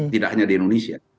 tidak hanya di indonesia